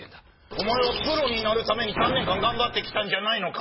お前はプロになるために３年間頑張ってきたんじゃないのか？